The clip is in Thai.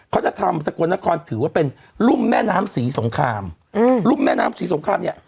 เขาจะทำสกลนครถือว่าเป็นรุ่มแม่น้ำศรีสงครามอืมรุ่มแม่น้ำศรีสงครามเนี่ย